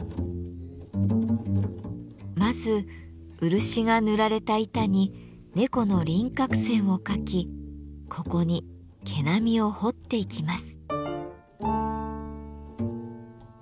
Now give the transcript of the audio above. まず漆が塗られた板に猫の輪郭線を描きここに毛並みを彫っていきます。